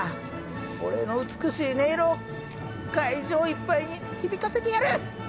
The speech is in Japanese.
俺の美しい音色を会場いっぱいに響かせてやる！